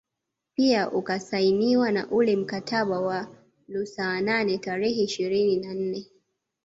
Pia Ukasainiwa na ule mkataba wa Lausanne tarehe ishirini na nne